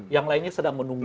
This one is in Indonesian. yang lainnya sedang menunggu